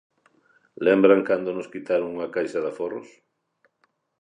Lembran cando nos quitaron unha caixa de aforros?